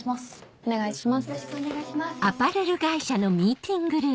お願いします。